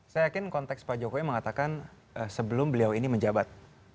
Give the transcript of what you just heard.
saya yakin konteks pak jokowi mengatakan sebelum beliau ini menjabat